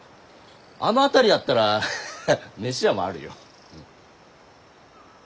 あの辺りだったらハハッ飯屋もあるよ。